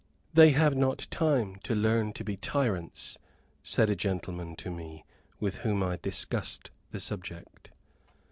"They have not time to learn to be tyrants," said a gentleman to me, with whom I discussed the subject.